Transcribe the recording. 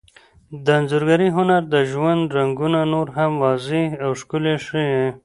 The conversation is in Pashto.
د انځورګرۍ هنر د ژوند رنګونه نور هم واضح او ښکلي ښيي.